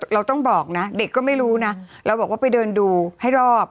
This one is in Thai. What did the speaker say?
เราต้องบอกนะเด็กก็ไม่รู้นะเราบอกว่าไปเดินดูให้รอบ